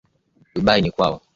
Dubai ni kwao.